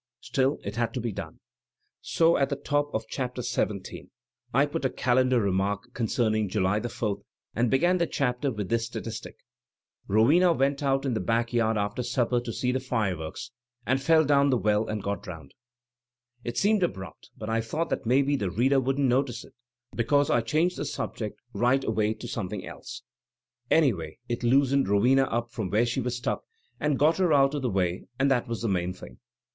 StiU it had to be done. So, at the top of Chapter XVII, I put a * Calendar* remark concerning July the Fourth, and began the chapter with this statistic: "* Rowena went out in the back yard after supper to see the fireworks and fell down the well and got drowned.* "It seemed abrupt, but I thought maybe the reader wouldn't notice it, because I changed the subject right Digitized by Google 27« THE SPIRIT OF AMERICAN LITERATURE away to something else. Anyway it loosened Rowena up from where she was stuck and got her out of the way and that was the main thing.